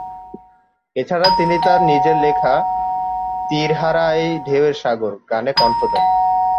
এছাড়া তিনি তার নিজের লেখা "তীর হারা এই ঢেউয়ের সাগর" গানে কণ্ঠ দেন।